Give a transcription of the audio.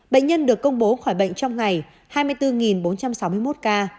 bệnh nhân được công bố khỏi bệnh trong ngày hai mươi bốn bốn trăm sáu mươi một ca